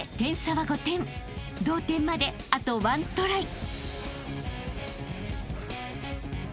［同点まであと１トライ］